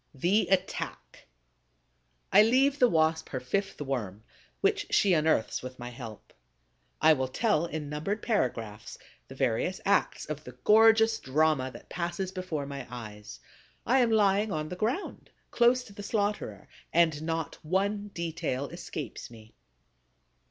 THE ATTACK I leave the Wasp her fifth Worm, which she unearths with my help. I will tell in numbered paragraphs the various acts of the gorgeous drama that passes before my eyes. I am lying on the ground, close to the slaughterer, and not one detail escapes me.